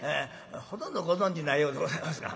ほとんどご存じないようでございますが。